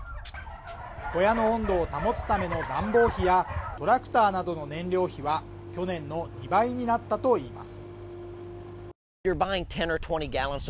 小屋の温度を保つための暖房費やトラクターなどの燃料費は去年の２倍になったといいます